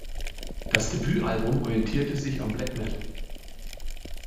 Das Debütalbum orientierte sich am Black Metal.